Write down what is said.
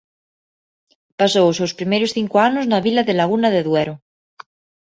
Pasou os seus primeiros cinco anos na vila de Laguna de Duero.